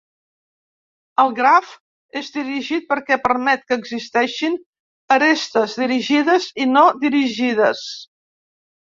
El graf és dirigit perquè permet que existeixin arestes dirigides i no dirigides.